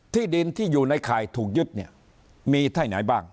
ที่ดินที่อยู่ในข่ายถูกยึดเนี่ยมีที่ไหนบ้าง